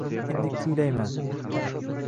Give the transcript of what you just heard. Endi kuylayman